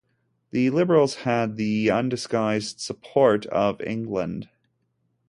The liberals had the undisguised support of England.